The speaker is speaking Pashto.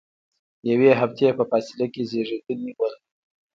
یوې هفتې په فاصله کې زیږیدلي ول.